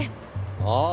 ああ。